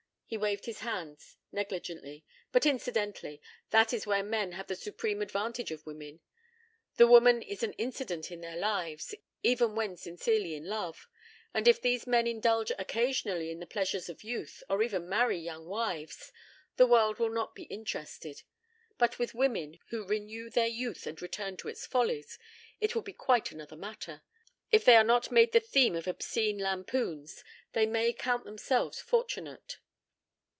He waved his hand negligently. "But incidentally. That is where men have the supreme advantage of women. The woman is an incident in their lives, even when sincerely in love. And if these men indulge occasionally in the pleasures of youth, or even marry young wives, the world will not be interested. But with women, who renew their youth and return to its follies, it will be quite another matter. If they are not made the theme of obscene lampoons they may count themselves fortunate.